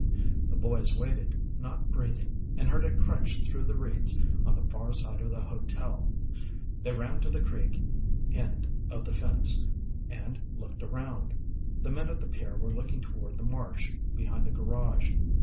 The boys waited, not breathing, and heard it crunch through the reeds on the far side of the hotel. They ran to the creek end of the fence and looked around. The men at the pier were looking toward the marsh behind the garage.